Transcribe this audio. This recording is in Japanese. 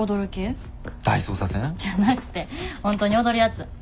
大捜査線？じゃなくて本当に踊るやつ。